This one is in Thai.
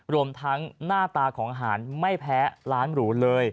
รวมทั้งหน้าตาของอาหารไม่แพ้ร้านหรูเลย